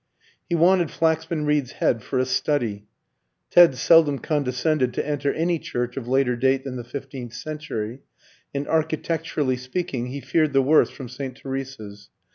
He wanted Flaxman Reed's head for a study. Ted seldom condescended to enter any church of later date than the fifteenth century, and, architecturally speaking, he feared the worst from St. Teresa's.